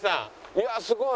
いやすごい。